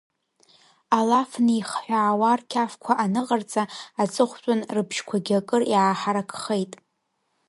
Алаф неихҳәаауа рқьафқәа аныҟарҵа, аҵыхәтәан рыбжьқәагьы акыр иааҳаракхеит.